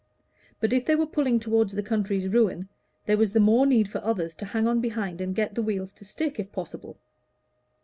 But if they were pulling toward the country's ruin, there was the more need for others to hang on behind and get the wheels to stick if possible.